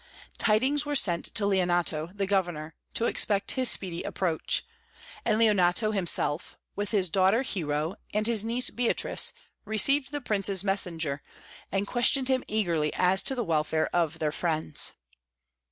Tidings were sent to Leonato, the Governor, to expect his speedy approach; and Leonato himself, with his daughter Hero and his niece Beatrice, received the Prince's messenger, and questioned him eagerly as to the welfare of their friends.